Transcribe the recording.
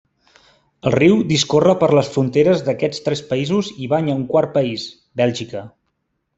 El riu discorre per les fronteres d'aquests tres països i banya un quart país, Bèlgica.